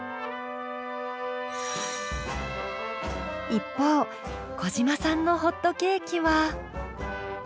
一方小嶋さんのホットケーキは。